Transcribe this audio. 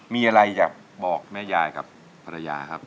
มีอะไรอยากบอกแม่ยายกับภรรยาครับ